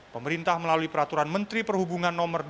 pemerintah melalui peraturan menteri perhubungan dengan pemerintah